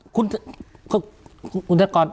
คุณนักกร